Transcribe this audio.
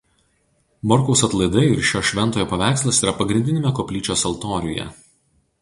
Morkaus atlaidai ir šio šventojo paveikslas yra pagrindiniame koplyčios altoriuje.